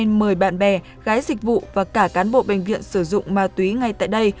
nên mời bạn bè gái dịch vụ và cả cán bộ bệnh viện sử dụng ma túy ngay tại đây